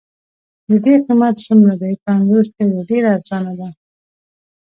د دې قیمت څومره دی؟ پنځوس لیرې، ډېره ارزانه ده.